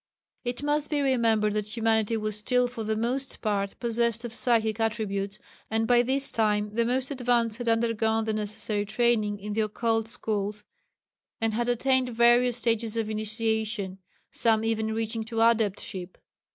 It must be remembered that humanity was still for the most part possessed of psychic attributes, and by this time the most advanced had undergone the necessary training in the occult schools, and had attained various stages of initiation some even reaching to Adeptship.